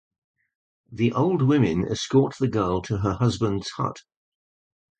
The old women escort the girl to her husband's hut.